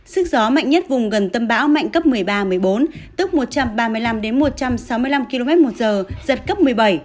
sức gió mạnh nhất vùng gần tầm bão mạnh cấp một mươi ba một mươi bốn tức một trăm ba mươi năm một trăm sáu mươi năm kmh giật cấp một mươi bảy